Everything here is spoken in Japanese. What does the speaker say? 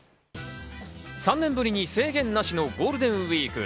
３年ぶりに制限なしのゴールデンウイーク。